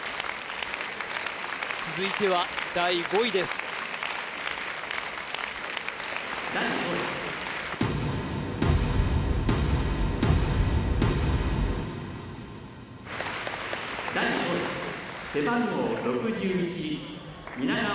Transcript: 続いては第５位です蜷川